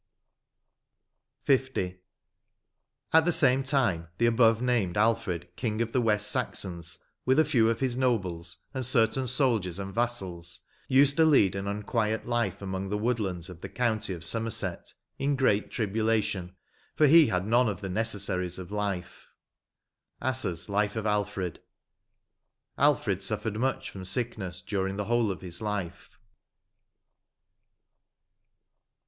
H 2 100 L. '' At the same time the nbove named Alfred, king of the West Saxons, mth a few of his nobles, and certain soldiers and vassals, used to lead an tin quiet life among the woodlands of the county of Somerset, in great tribulation ; for he had none of the necessaries of life "— Asset's " Life of Alfred" Alfred suffered much from sickness during the whole of his life.